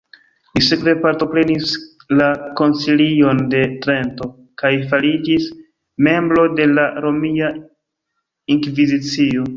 Li sekve partoprenis la koncilion de Trento kaj fariĝis membro de la Romia Inkvizicio.